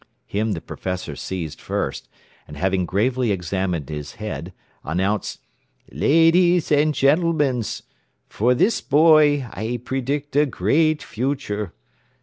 Him the professor seized first, and having gravely examined his head, announced, "Ladees and gentlemans, for this boy I predict a great future.